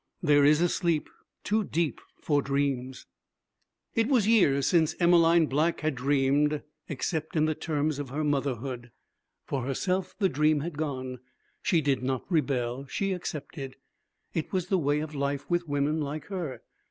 There is a sleep too deep for dreams. It was years since Emmeline Black had dreamed except in the terms of her motherhood. For herself, the dream had gone. She did not rebel. She accepted. It was the way of life with women like her.